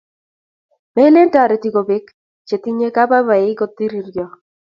Melen toritik kubek che tinyei kababainik ko tirtoi